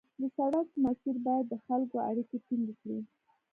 د سړک مسیر باید د خلکو اړیکې ټینګې کړي